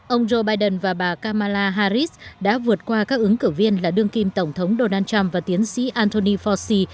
ông joe biden và bà kamala harris đã vượt qua các ứng cử viên là đương kim tổng thống donald trump và tiến sĩ anthony fauci